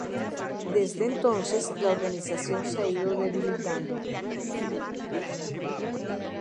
Desde entonces, la organización se ha ido debilitando.